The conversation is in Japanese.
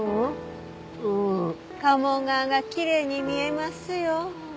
鴨川がきれいに見えますよ。